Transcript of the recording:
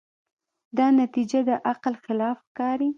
دا نتیجه د عقل خلاف ښکاري.